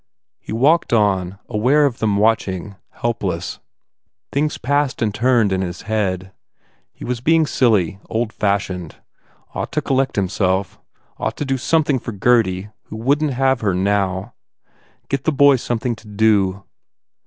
He walked on, aware of them watching, help less. Things passed and turned in his head. He was being silly, old fashioned. Ought to collect himself. Ought to do something for Gurdy who wouldn t have her, now. Get the boy something to do.